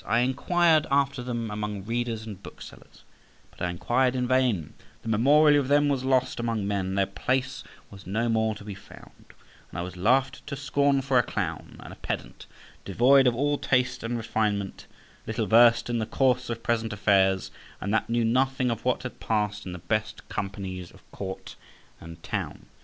I inquired after them among readers and booksellers, but I inquired in vain; the memorial of them was lost among men, their place was no more to be found; and I was laughed to scorn for a clown and a pedant, devoid of all taste and refinement, little versed in the course of present affairs, and that knew nothing of what had passed in the best companies of court and town.